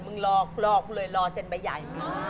มึงรอรอเลยรอเซ็นไปใหญ่